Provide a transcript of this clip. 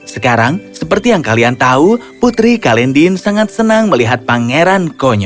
sekarang seperti yang kalian tahu putri kalendin sangat senang melihat pangeran konyol